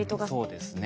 そうですね。